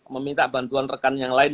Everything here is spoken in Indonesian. meminta bantuan rekan yang lain